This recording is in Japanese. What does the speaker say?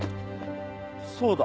そうだ。